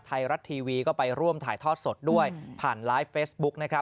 ไทยรัฐทีวีก็ไปร่วมถ่ายทอดสดด้วยผ่านไลฟ์เฟซบุ๊คนะครับ